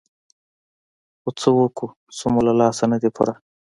خو څه وکړو څه مو له لاسه نه دي پوره.